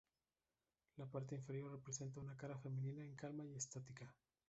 La parte inferior representa una cara femenina en calma y estática.